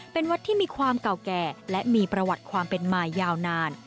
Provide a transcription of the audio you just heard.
เป็นวัดที่มีความเก่าแก่และมีประวัติความเป็นมายาวนาน